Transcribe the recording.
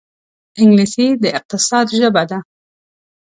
انګلیسي د اقتصاد ژبه ده